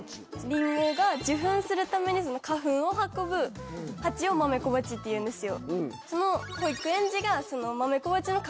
リンゴが受粉するために花粉を運ぶハチをマメコバチっていうんですよ。